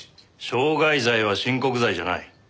傷害罪は親告罪じゃない。